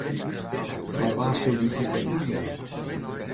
Mar wa sil dy boeken útjaan?